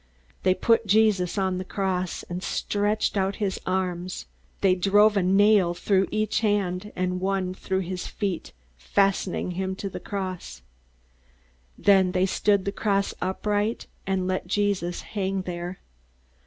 They put Jesus on the cross, and stretched out his arms. They drove a nail through each hand, and one through his feet, fastening him to the cross. Then they stood the cross upright, and let Jesus hang there.